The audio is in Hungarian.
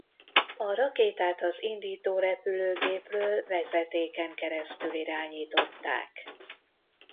A rakétát az indító repülőgépről vezetéken keresztül irányították.